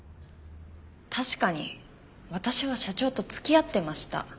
確かに私は社長と付き合ってました。